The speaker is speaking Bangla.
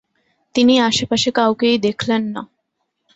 তিনি আশেপাশে কাউকেই দেখলেন না।